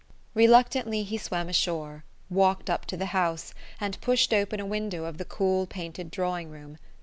Reluctantly he swam ashore, walked up to the house, and pushed open a window of the cool painted drawing room.